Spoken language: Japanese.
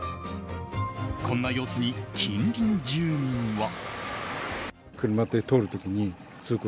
こんな様子に、近隣住民は。